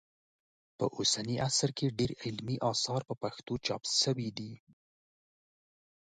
په اوسني عصر کې ډېر علمي اثار په پښتو چاپ سوي دي